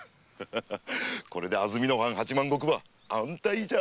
これで安曇野藩八万石は安泰じゃ！